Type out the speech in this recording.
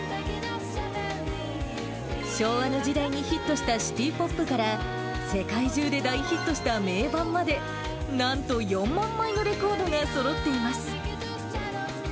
昭和の時代にヒットしたシティポップから、世界中で大ヒットした名盤まで、なんと４万枚のレコードがそろっています。